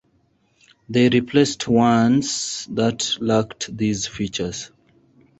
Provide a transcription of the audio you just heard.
They replaced ones that lacked these features.